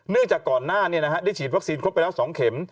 จากก่อนหน้าได้ฉีดวัคซีนครบไปแล้ว๒เข็ม